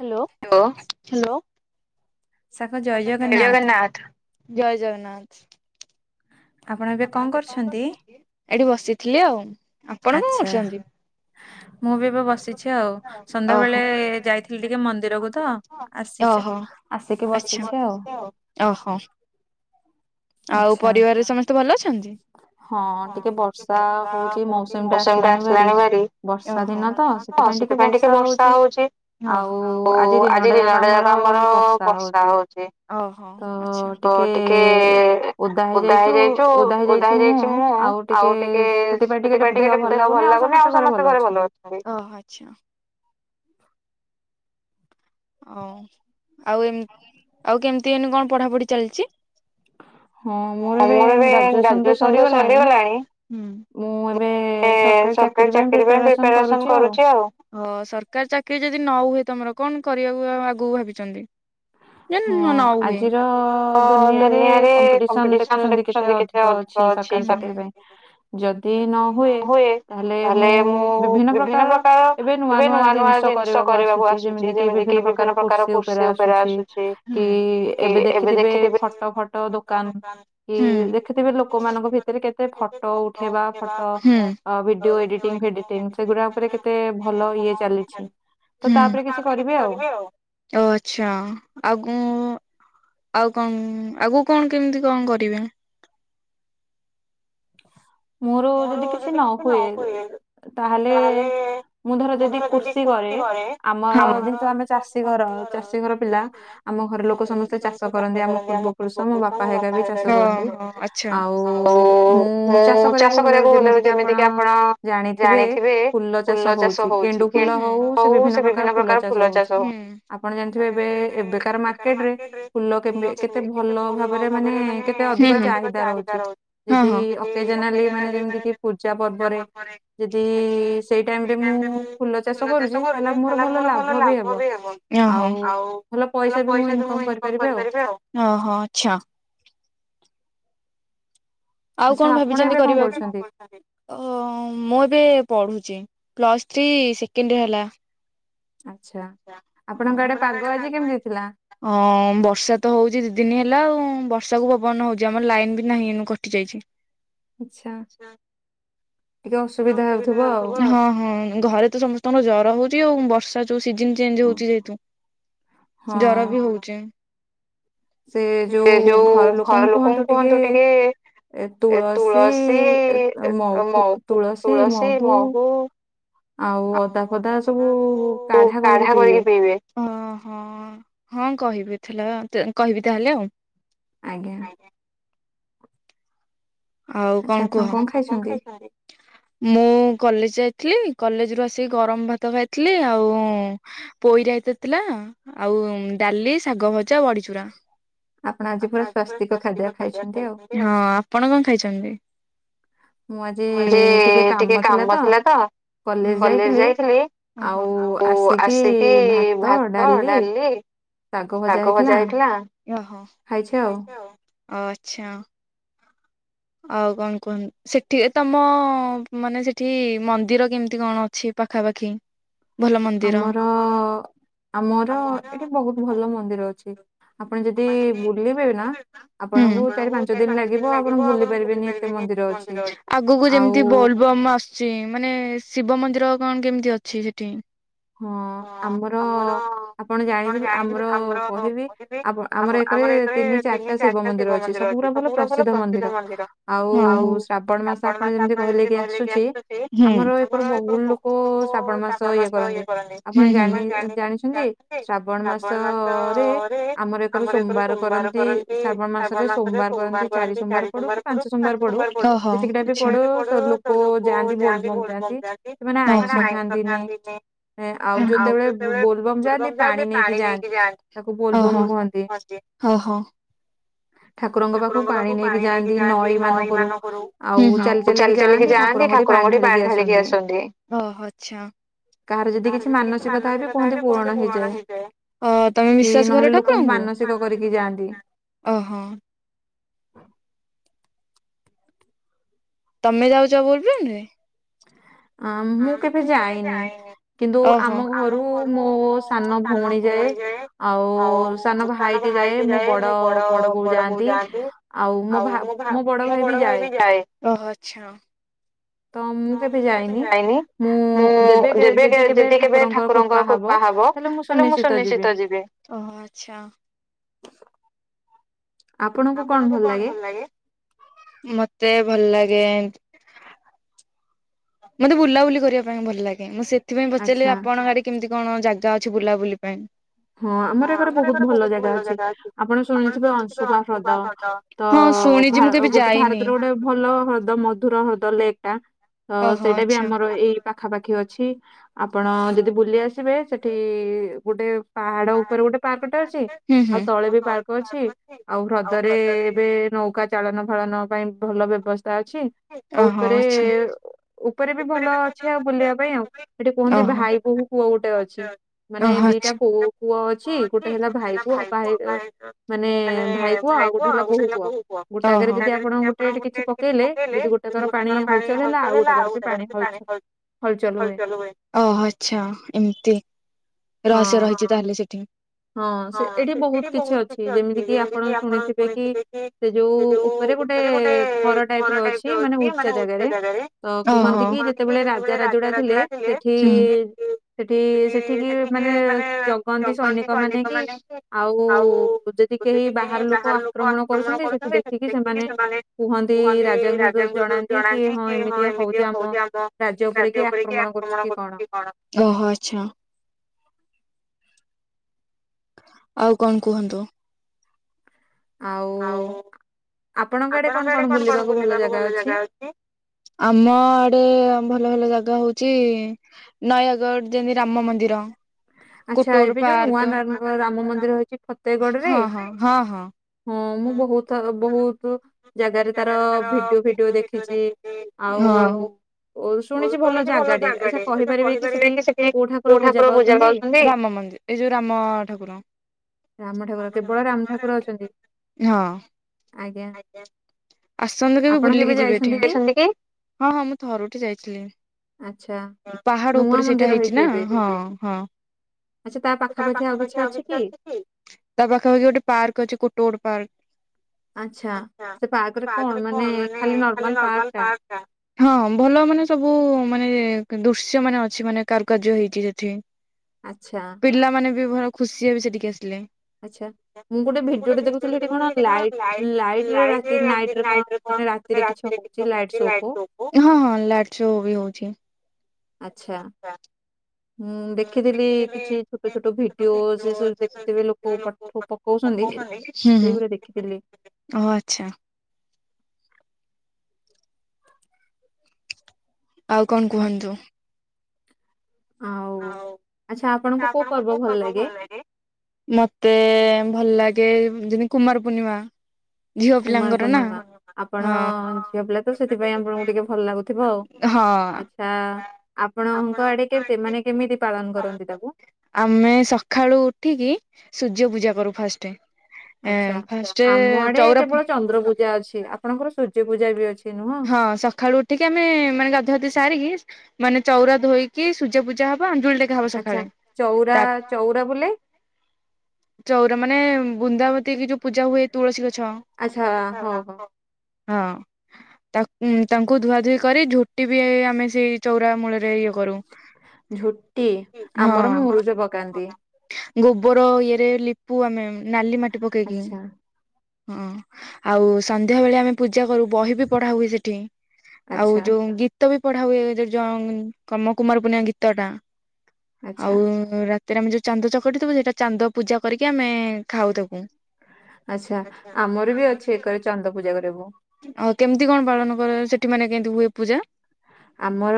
Hello ହୋ hello ସାଙ୍ଗ ଜୟ ଜଗନ୍ନାଥ ଜୟ ଜଗନ୍ନାଥ ଆପଣ ଏବେ କଣ କରୁଛନ୍ତି? ଏଠି ବସିଥିଲି ଆଉ ଆପଣ କଣ କରୁଛନ୍ତି? ମୁଁ ବି ଏବେ ବସିଛି ଆଉ ସନ୍ଧ୍ୟାବେଳେ ଯାଇଥିଲି ଟିକେ ମନ୍ଦିରକୁ ତ ଆସିଛି ଆସିକି ବସିଛି ଆଉ ଆଉ ପରିବାରରେ ସମସ୍ତେ ଭଲ ଅଛନ୍ତି। ବର୍ଷା ହଉଛି ମୌସମ ଟା ଆସିଲାଣି ଭାରି। ଓହୋ ତ ସେଥିପାଇଁ ଟିକେ ବର୍ଷା ହଉଛି ଓହୋ ଆଉ। ଆଜି ଦିନଟା ଯାକ ଆମର ବର୍ଷା ହଉଛି। ଓହୋ ଆଛା ତ ଟିକେ ଓଦା ହେଇଯାଇ। ଓଦା ହେଇଯାଇଛି ମୁଁ ଆଉ ଟିକେ ସେଥିପାଇଁ ଟିକେ ଟେ ଦେହ ଭଲ ଲାଗୁନି ଆଉ ସମସ୍ତେ ଘରେ ଭଲ ଅଛି। ଓ ଆଚ୍ଛା। ହ ଆଉ ଏ ଆଉ କେମିତିନି କଣ ପଢାପଢି ଚାଲିଛି। ମୋର ଏବେ ଗ୍ରାଜୁଏସନ ତ ସରିଗଲାଣି। ମୁଁ ଏବେ ସରକାରୀ ଚାକିରି ପାଇଁ ପ୍ରିପାରେସନ କରୁଛି ଆଉ। ହଁ ସରକାରୀ ଚାକିରି ଯଦି ନ ହୁଏ ତମର କଣ କରିବାକୁ ଆଗକୁ ଭାବିଛନ୍ତି। ଯଦି ନ ହୁଏ ଆଜିର ଦୁନିଆରେ କମ୍ପିଟିସନ ଦେଖୁଛନ୍ତି କେତେ। ଅଧିକ ଅଛି। ଯଦି ନ ହୁଏ ତାହେଲେ ମୁଁ ବିଭିନ୍ନ ପ୍ରକାର। ଏବେ ନୂଆ ନୂଆ ଜିନିଷ କରିବାକୁ ଆସୁଛି ଯେମିତି କି ବିଭିନ୍ନ ପ୍ରକାର କୁର୍ସି ଉପରେ ଆସୁଛି। କି ଏବେ ଦେଖିଥିବେ ଫଟୋ ଫଟ ଦୋକାନ। କି ଦେଖୁଥିବେ ଲୋକମାନଙ୍କ ଭିତରେ କେତେ ଫଟୋ ଉଠେଇବା ଫଟୋ। ଅ ଭିଡିଓ ଏଡିଟିଂ ଫେଡିଟିଂ ସେଗୁଡା ଉପରେ କେତେ ଭଲ ଇଏ ଚାଲିଛି ତ ତାପରେ କି। କି କରିବେ ଆଉ। ଓ ଆଛା ଆଉ କନ। ଆଉ କଣ ଆଗକୁ କଣ କେମିତି କଣ କରିବେ। ମୋର ଯଦି କିଛି ନ ହୁଏ ତାହେଲେ। ମୁଁ ଧର ଯଦି କୃଷି କରେ ଆମର ଯେହେତୁ ଆମେ ଚାଷୀ ଘର ଚାଷୀ ଘର ପିଲା। ଆମ ଘର ଲୋକ ସମସ୍ତେ ଚାଷ କରନ୍ତି ଆମ ପୂର୍ବପୁରୁଷ ଆମ ବାପା ହେକା ବି ଚାଷ କରନ୍ତି ଆଉ। ମୁଁ ଚାଷ କରିବାକୁ। ଚାଷ କରିବାକୁ ଭଲ ଯେମିତି କି ଆପଣ ଜାଣିଥିବେ ଫୁଲ ଚାଷ ହଉଛି। ହଉ ସେ ବିଭିନ୍ନ ପ୍ରକାର ଫୁଲ ଚାଷ ହଉ ଆପଣ ଜାଣିଥିବେ ଏ ଏବେକାର ମାର୍କେଟରେ। ଫୁଲ କେମତି କେତେ ଭଲ ଭାବରେ ମାନେ ଚାହିଦା ତାର। ଯଦି ଓକେଜନାଲି। ମାନେ ଯେମିତି କି ପୂଜା ପର୍ବରେ ଯଦି ସେଇ ଟାଇମ ରେ ମୁଁ। ଫୁଲ ଚାଷ କରୁଛି ତାହେଲେ ମୋର ଭଲ ଲାଭ ବି ହେବ ଆଉ ଭଲ। ପଇସା ବି ମୁଁ ଇନକମ୍ କରିପାରିବି ଆଉ। ଓହୋ ଆଚ୍ଛା। ଆଉ କଣ ଭାବିଛନ୍ତି କରିବାକୁ। ଓ ମୁଁ ଏବେ ପଢୁଛି ପ୍ଲସ୍ ଥ୍ରୀ ସେକେଣ୍ଡ ହେଲା। ଆଚ୍ଛା। ଆପଣଙ୍କ ଆଡେ ପାଗ। ହଁ ବର୍ଷା ତ ହଉଛି ଦି ଦିନ ହେଲା ଆଉ ବର୍ଷାକୁ ପବନ ନ ହଉଛି ଆମର ଲାଇନ ବି ନାହିଁ ଏ କଟି ଯାଇଛି। ଆଚ୍ଛା। ହଁ ହଁ ଘରେ ତ ସମସ୍ତଙ୍କର ଜ୍ୱର ହଉଛି ଆଉ ବର୍ଷା ଯୋଉ ସିଜନ। ଚେଞ୍ଜ ହଉଛି ଯେହେତୁ ଜର ବି ହଉଛି। ସେ ଯୋଉ ଘର ଲୋକଙ୍କୁ କୁହନ୍ତୁ ଟିକେ। ଏ ତୁଳସୀ ମ ତୁଳସୀ ମହୁ। ଆଉ ଅଦାପକା ସବୁ କାଢା କରିକି ପିଇବେ। ଓହୋ ହଁ କହିବି ଥିଲା କହିବି ତାହେଲେ ଆଉ। ଆଜ୍ଞା। ଆଉ କଣ କୁହ। [inaudible] ମୁଁ କଲେଜ ଯାଇଥିଲି କଲେଜରୁ ଆସିକି ଗରମ ଭାତ ଖାଇଥିଲି ଆଉ। ପୋଇରାଇତା ଥିଲା ଆଉ ଡାଲି ଶାଗ ଭଜା ବଢିଚୂୁରା। ଆପଣ ଆଜି ପୁରା ସ୍ଵାସ୍ତିକ ଖାଦ୍ୟ ଖାଇଛନ୍ତି ଆଉ। ହଁ ଆପଣ କଣ ଖାଇଛନ୍ତି। ମୁଁ ଆଜି ଟିକେ କାମ ଥିଲା ତ। କଲେଜ ଯାଇଥିଲି ଆଉ ଆସିକି ଭାତ ଡାଲି। ଶାଗ ଭଜା ହେଇଥିଲା ଆଚ୍ଛା। ଆଉ କଣ କୁହନ୍ତୁ ସେଠି ତମ ମାନେ ସେଠି ମନ୍ଦିର କେମିତି କଣ। ଅଛି ପାଖାପାଖି ଭଲ ମନ୍ଦିର। ଆମର ଏଠି ବହୁତ ଭଲ ମନ୍ଦିର ଅଛି। ହୁଁ। ଆଗକୁ ଯେମିତି ବୋଲବମ୍ ଆସୁଛି। ମାନେ ଶିବ ମନ୍ଦିର କଣ କେମିତି ଅଛି ସେଠି। ହଁ ଆମର କଣ ଜାଣିଥିଲୁ ଆମର। ଆମ ଆମର ଏଠାରେ ତିନି ଚାରିଟା ଶିବ ମନ୍ଦିର ଅଛି ସବୁଗୁଡା ଭଲ। ଦୁର୍ଗା ମନ୍ଦିର ଆଉ ଶ୍ରାବଣ ମାସ ଆପଣ ଯେମିତି କହିଲେ କି ଆସୁଛି ଆମର ଏଥର। ଲୋକ ଶ୍ରାବଣ ମାସ ଇଏ କରନ୍ତି। ହୁଁ ହୁଁ ଆପଣ ଜାଣିଛନ୍ତି ଶ୍ରାବଣ ମାସରେ ଆମର ଏଥର ସୋମବାର କରନ୍ତି। ନ୍ତି ଶ୍ରାବଣ ମାସରେ ସୋମବାର କରନ୍ତି। ଚାରି ସୋମବାର ପଡୁ କି ପାଞ୍ଚ ସୋମବାର ପଡୁ ଓହୋ ଆଚ୍ଛା କିଛି ବି ପଡୁ ତ ଲୋକ ଯାଆନ୍ତି ବୋଲବମ୍ ଯାଆନ୍ତି। ଓହୋ। ଓହୋ ଆଉ ଯେତେବେଳେ ବୋଲବମ୍ ଯାଆନ୍ତି ପାଣି ନେଇକି ଯାଆନ୍ତି ଓହୋ ହୁଅନ୍ତି। ହଉ ହଁ। ଠାକୁରଙ୍କ ପାଖକୁ ପାଣି ନେଇକି ଯାଆନ୍ତି ନଈ ମାନଙ୍କରୁ ଉଁ ହୁଁ ଆଉ। ଚାଲି ଚାଲିକି ଯାଆନ୍ତି ଠାକୁରଙ୍କ ଠି ପାଣି ଢାଳିକି ଆସନ୍ତି ଓହୋ ଆଚ୍ଛା। କାହାର ଯଦି କିଛି ମାନସିକ ଥାଏ ବି କୁହନ୍ତି ପୂରଣ ହେଇଯାଏ କି ନହେଲେ ଲୋକଙ୍କୁ ମାନସିକ। ସିକ କରିକି ଯାଆନ୍ତି। ଓହୋ। ତମେ ଯାଉଛ ବୋଲବମ୍ ରେ। ଅ ମୁଁ କେବେ ଯାଇନି। କିନ୍ତୁ ଆମ ଘରୁ ମୋ ସାନ ଭଉଣୀ ଯାଏ ଆଉ। ସାନ ଭାଇଟେ ଯାଏ ମୋ ବଡ ବଡ ବୋଉ ଯାଆନ୍ତି ଆଉ ମୋ ଭା। ମା ମୋ ବଡ ଭାଇ ବି ଯାଏ ଓ ଆଚ୍ଛା। ତ ମୁଁ କେବେ ଯାଇନି। ମୁଁ ଯେବେ ବି ଯଦି କେବେ ଠାକୁରଙ୍କର କୃପା ହବ ତାହେଲେ ମୁଁ ସୁନିଶ୍ଚିତ ଯିବି। ଓହୋ ଆଚ୍ଛା। ଆପଣଙ୍କୁ କଣ ଭଲ ଲାଗେ। ମତେ ଭଲ ଲାଗେ। ମତେ ବୁଲାବୁଲି କରିବା ପାଇଁ ଭଲ ଲାଗେ ମୁଁ ସେଥିପାଇଁ ପଚାରିଲି ଆପଣଙ୍କ ଆଡେ। କେମିତି କଣ ଜାଗା ଅଛି ବୁଲାବୁଲି ପାଇଁ। ହଁ ଆମର ଏକରେ ବହୁତ ଭଲ ଜାଗା ଅଛି ଆପଣ ଶୁଣିଥିବେ ଅଂଶୁପା ହ୍ରଦ। ତ ଭା ଗୋଟେ ଭାରତରେ ଗୋଟେ। ଭଲ ହ୍ରଦ, ମଧୁର ହ୍ରଦ ଲେକଟା, ଅ ସେଇଟା ବି ଆମର ଏଇ ପାଖାପାଖି ଅଛି, ଆପଣ ଯଦି ବୁଲି ଆସିବେ ସେଠି ଗୋଟେ ପାହାଡ ଉପରେ ଗୋଟେ ପାର୍କଟା ଅଛି, ଆଉ ତଳେ ବି ପାର୍କ ଅଛି, ଆଉ ହ୍ରଦରେ ଏବେ ନୌକା ଚାଳନ ଫାଳନ ପାଇଁ ଭଲ ବ୍ୟବସ୍ଥା ଅଛି। ଆଉ ଉପରେ ଉପରେ ବି ଭଲ ଅଛି ଆଉ ବୁଲିବା ପାଇଁ ଆଉ। ସେଠି କୁହନ୍ତି ଭାଇ ବୋହୂ କୂଅ ଗୋଟେ ଅଛି। ମାନେ ଦିଟା କୁ ଅ ଅଛି। ଗୋଟେ ହେଲା ଭାଇ କୂଅ, ଭାଇର ମାନେ ଭାଇ କୂଅ, ଆଉ ଗୋଟେ ହେଲା ବୋହୂ କୂଅ। ଗୋଟାକରେ ଯଦି ଆପଣ ଗୋଟେ ଏଠି କିଛି ପକେଇଲେ, ଯଦି ଗୋଟାକର ପାଣି ହଲଚଲ ହେଲା, ଆଉ ଗୋଟାକର ବି [unintelligible] ଓ ଆଚ୍ଛା ଏମତି। ରହସ୍ୟ ରହିଛି ତାହେଲେ ସେଠି। ହଁ ସେ ଏଇଠି ବହୁତ କିଛି ଅଛି, ଯେମିତି କି ଆପଣ ଶୁଣିଥିବେ କି ସେ ଯୋଉ ଉପରେ ଗୋଟେ ଗୋଟେ ଘର ଟାଇପର ଅଛି, ମାନେ ଉଚ୍ଚା ଜାଗାରେ। ତ କୁହନ୍ତି କି ଯେତେବେଳେ ରାଜା ରାଜୁଡା ଥିଲେ, ସେଠି, ସେଠି, ସେଠିକି ମାନେ ଜଗନ୍ତି ସୈନିକ ମାନେ କି, ଆଉ ଯଦି କେହି ବାହାର ଲୋକ ଆକ୍ରମଣ କରୁଛନ୍ତି, ସେଠୁ ଦେଖ ଇକି ସେମାନେ କୁହନ୍ତି, ରାଜାଙ୍କୁ ଜଣାନ୍ତି, କି ହଁ ଏମିତି ହଉଛି ଆମ ରାଜ୍ୟ ଉପରେ କି ଆକ୍ରମଣ କରୁଛି କି କଣ। ଓ ହୋ ଆଚ୍ଛା। ଆଉ କଣ କୁହନ୍ତୁ। ଆଉ ଆପଣଙ୍କ ଆଡେ କଣ କଣ ବୁଲିବାକୁ ଭଲ ଜାଗା ଅଛି। ଆମ ଆଡେ ଭଲ ଭଲ ଜାଗା ହଉଛି ନୟାଗଡ଼, ଯେମିତି ରାମ ମନ୍ଦିର। ଆଚ୍ଛା ଏବେ ଯୋଉ ନୂଆ ନାର ରାମ ମନ୍ଦିର ହେଇଛି ଫତେଗଡ ରେ। ହଁ ମୁଁ ବହୁ ଥ ବହୁତୁ ଜାଗାରେ ତାର ଭିଡିଓ ଫିଡିଓ ଦେଖିଛି। ହଁ। ମୁଁ ଶୁଣିଛି ଭଲ ଜାଗା ଟେ, ଆଛା କହିପାରିବେ କି ସେଠି କୋଉ ଠାକୁର ପୂଜା ପାଉଛନ୍ତି? ରାମ ମନ୍ଦିର୍। ଏଇ ଯେଉ ରାମ ଠାକୁର। [unintelligible] ହଁ। ଆସନ୍ତୁ କେବେ ବୁଲିକି ଯିବେ ଏଠି। ଯାଇଛନ୍ତି କି? ହଁ ହଁ ମୁଁ ଥରୁଟେ ଯାଇଥିଲି। ପାହାଡ ଉପରେ ସେଇଟା ହେଇଛି ନା, ହଁ ହଁ। ତା ପାଖାପଖି ଆଉ କିଛି ଅଛି କି? ତା ପାଖାପାଖି ଗୋଟେ ପାର୍କ ଅଛି, କୋଟୋ ଓଡ ପାର୍କ। ଆଚ୍ଛା। ସେ ପାର୍କରେ ପାର୍କରେ କଣ? ମାନେ ଖାଲି ନର୍ମାଲ ପାର୍କ ଟା। ହଁ ଭଲ ମାନେ, ସବୁ ମାନେ ଦୃଶ୍ୟ ମାନେ ଅଛି, ମାନେ କାରୁକାର୍ଯ୍ୟ ହେଇଛି ସେଠି। ଆଛା। ପିଲାମାନେ ବି ଭଲ ଖୁସି ହେବେ, ସେଠିକି ଆସିଲେ। ମୁଁ ଗୋଟେ ଭିଡିଓ ଟେ ଦେଖୁଥିଲି, ସେଠି କଣ ଲାଇଟ୍ ଲାଇଟ୍ [unintelligible] ହଁଁ ହଁ ଲାଇଟ ଶୋ ବି ହଉଛି। ଆଚ୍ଛା। ହୁଁ, ଦେଖିଥିଲି କିଛି ଛୋଟ ଛୋଟ ଭିଡିଓ, ସେ ସବୁ ଦେଖୁଥିବେ ଲୋକ ଠୁ ପକଉଛନ୍ତି, ସେଇଗୁଡା ଦେଖିଥିଲି। ଓ ଆଚ୍ଛା। [inaudible] ଆଉ କଣ କୁହନ୍ତୁ। ହଉ, ଆଛା ଆପଣଙ୍କୁ କୋଉ ପାଗ ଭଲ ଲାଗେ? ମତେ ଭଲ ଲାଗେ ଯେମିତି କୁମାର ପୂର୍ଣ୍ଣିମା କୁମାର ପୂର୍ଣ୍ଣିମା ଆପଣ ଝିଅ ପିଲା ତ ସେଥିପାଇଁ ଆପଣଙ୍କୁ ଟିକେ ଭଲ ଲାଗୁଥିବ ଆଉ ଆଛା ଆପଣଙ୍କ ଆଡେ କେମିତି ମାନେ କେମିତି ପାଳନ କରନ୍ତି ତାକୁ ଆମେ ସକାଳୁ ଉଠିକି ସୂର୍ଯ୍ୟ ପୂଜା କରୁ ଫାଷ୍ଟ ଏ ଫାଷ୍ଟ ଚଉରା ପୂଜା ଅଛି ଆପଣଙ୍କର ସୂର୍ଯ୍ୟ ପୂଜା ବି ଅଛି ନୁହଁ ହଁ ସକାଳୁ ଉଠିକି ଆମେ ମାନେ ଗାଧୁଆ ଗୁଧି ସାରିକି ମାନେ ଚଉରା ଧୋଇକି ସୂର୍ଯ୍ୟ ପୂଜା ହବ ଆଞ୍ଜୁଳି ଟେ - ଆଛା ଚଉରା ଚଉରା ବୋଲେ ଚଉରା ମାନେ ବୃନ୍ଦାବତୀ କି ଯୋଉ ପୂଜା ହୁଏ ତୁଳସୀ ଗଛ ଆଚ୍ଛା ହଉ ହଉ ହଁ ତା ତାଙ୍କୁ ଧୁଆ ଧୁଇ କରି ଝୋଟି ବି ଆମେ ସେଇ ଚଉରା ମୂଳରେ ଇଏ କରୁ ଝୋଟି ଆମର ମୁରୁଜ ପକାନ୍ତି ଗୋବର ଇଏରେ ଲିପୁ ଆମେ ନାଲି ମାଟି ପକେଇକି ହଁ ଆଉ ସନ୍ଧ୍ୟା ବେଳେ ଆମେ ପୂଜା କରୁ ବହି ବି ପଢା ହୁଏ ସେଠି ଆଉ ଯୋଉ ଗୀତ ବି ପଢା ହୁଏ ଯ ଯ କମ କୁମାର ପୂର୍ଣ୍ଣିମା ଗୀତ ଟା ଆଉ ରାତିରେ ଆମେ ଯୋଉ ଚାନ୍ଦ ଚକଟି ଥିବୁ ସେଇଟା ଚାନ୍ଦ ପୂଜା କରିକି ଆମେ ଖାଉ ତାକୁ ଆଚ୍ଛା ଆମର ବି ଅଛି ଏକରେ ଚାନ୍ଦ ପୂଜା କରିବାକୁ ଆଉ କେମିତି କଣ ପାଳନ କର ସେଠି ମାନେ କେମିତି ହୁଏ ପୂଜା ଆମର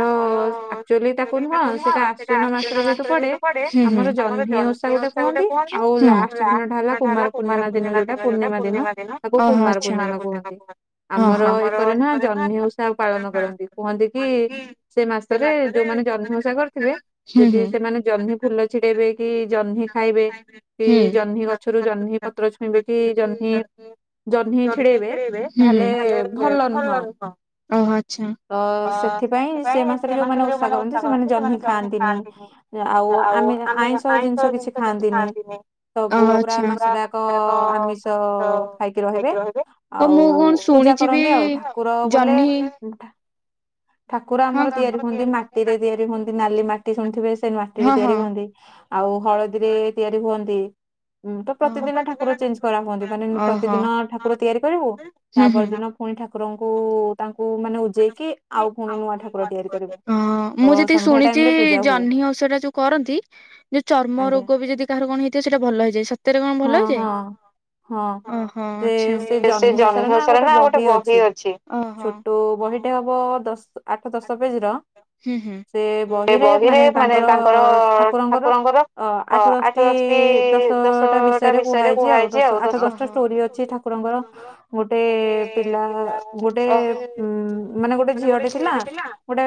ଆକ୍ଚୁଆଲି ତାକୁ ନୁହଁ ସେଟା ଆଶ୍ୱିନ ମାସରେ ଯେହେତୁ ପଡେ ଆମର ଜହ୍ନି ଓ - ଓଷା ଗୋଟେ କୁହନ୍ତି ଆଉ ଲାଷ୍ଟ ଦିନଟା ହେଲା କୁମାର ପୂର୍ଣ୍ଣିମା ଦିନ ଯୋଉଟା ପୂର୍ଣ୍ଣିମା ଦିନ ତାକୁ କୁମାର ପୂର୍ଣ୍ଣିମା କୁହନ୍ତି ଆମର ଏକରେ ନା ଜହ୍ନି ଓଷା ପାଳନ କରନ୍ତି କୁହନ୍ତି କି ସେ ମାସରେ ଯୋଉମାନେ ଜହ୍ନି ଓଷା କରିଥିବେ ଯଦି ସେମାନେ ଜହ୍ନି ଫୁଲ ଛିଡେଇବେ କି ଜହ୍ନି ଖାଇବେ କି ଜହ୍ନି ଗଛରୁ ଜହ୍ନି ପତ୍ର ଛୁଇଁବେ କି ଜହ୍ନି ଜହ୍ନି ଛିଡ଼େଇବେ ହୁଁ ହୁଁ ତାହେଲେ ଭଲ ନୁହଁ ଓ ଆଚ୍ଛା ତ ସେଥିପାଇଁ ସେ ମାସରେ ଯୋଉମାନେ ଓଷା କରନ୍ତି ସେମାନେ ଜହ୍ନି ଖାଆନ୍ତିନି ଆଉ ଆମେ ଆାଇଁଷ ଜିନିଷ କିଛି ଖାଆନ୍ତିନି ଓ ଆଚ୍ଛା ମୂଳା ଶାଗ ଖାଇକି ରହିବେ ଓ ମୁଁ କଣ ଶୁଣିଛିି ବି ଜହ୍ନି ଠାକୁର ଆମର ତିଆରି ହୁଅନ୍ତି ମାଟିରେ ତିଆରି ହୁଅନ୍ତି ନାଲି ମାଟି ଶୁଣିଥିବେ ସେ ମାଟିରେ ତିଆରି ହୁଅନ୍ତି ଆଉ ହଳଦୀରେ ତିଆରି ହୁଅନ୍ତି ହୁଁ ତ ପ୍ରତିଦିନ ଠାକୁର ଚେଞ୍ଜ କରା ହୁଅନ୍ତି ମାନେ ପ୍ରତିଦିନ ଠାକୁର ତିଆରି କରିବୁ ତା ପରଦିନ ପୁଣି ଠାକୁରଙ୍କୁ ତାଙ୍କୁ ମାନେ ଉଜେଇକି ହଁ ମୁଁ ଯେତିକି ଶୁଣିଛି ଜହ୍ନି ଓଷା ଟା ଯୋଉ କରନ୍ତି ଯୋଉ ଚର୍ମ ରୋଗ ବି ଯଦି କାହାର କଣ ହେଇଥାଏ ସେଇଟା ଭଲ ହେଇଯାଏ ସତରେ କଣ ଭଲ ହେଇଯାଏ ଓହୋ ଆଛା ସେ ସେ ଜହ୍ନି ଓଷାର ନା ଗୋଟେ ବହି ଅଛି ଓହୋ ଗୋଟେ ହବ ଦଶ ଆଠ ଦଶ ପେଜ ର ସେ ବହିରେ ମାନେ ତାଙ୍କର ଠାକୁରଙ୍କର ଅ ଆଠ ଦଶଟି ଦଶ ଟା ବିଷୟରେ କୁହାଯାଇଛି ଆଉ ଦଶ ଆଠ ଦଶଟା ଷ୍ଟୋରି ଅଛି ଠାକୁରଙ୍କର ଗୋଟେ ପିଲା ଗୋଟେ ଉ ମାନେ ଗୋଟେ ଝିଅଟେ ଥିଲା ଗୋଟେ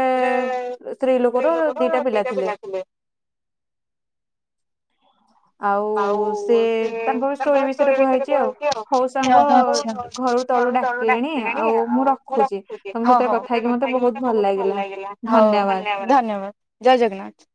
ସ୍ତ୍ରୀ ଲୋକର ଦିଟା ପିଲା ଥିଲେ। ଆଉ ସ୍ ସେ ତାଙ୍କ ଷ୍ଟୋରି ବିଷୟରେ କୁହାହେଇଛି ଆଉ ହଉ ସାଙ୍ଗ ଘରୁ ତଳୁ ଡାକିଲେଣି ଆଉ ମୁଁ ରଖୁଛି ତମ ସେଥିରେ କଥା ହେଇକି ମତେ ବହୁତ ଭଲ ଲାଗିଲା। ଧନ୍ୟବାଦ। ଧନ୍ୟବାଦ ଜୟ ଜଗନ୍ନାଥ।